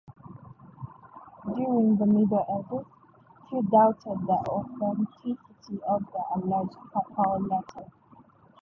During the Middle Ages, few doubted the authenticity of the alleged papal letters.